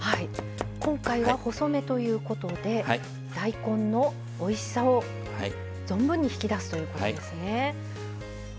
今回は細めということで大根のおいしさを存分に引き出すということですね。